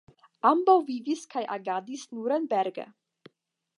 Ambaŭ vivis kaj agadis Nurenberge.